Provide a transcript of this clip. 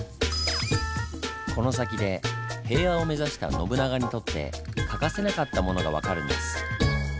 この先で平和を目指した信長にとって欠かせなかったものが分かるんです。